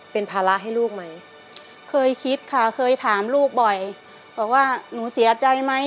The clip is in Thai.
เป็นภาระให้ลูกไหมเคยคิดค่ะเคยถามลูกบ่อยบอกว่าหนูเสียใจไหม